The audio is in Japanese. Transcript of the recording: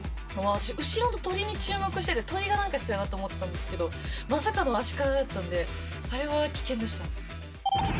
私、後ろの鳥に注目してて、鳥がなんかするのかなと思ったんですけど、まさかのアシカだったんで、あれは危険でしたね。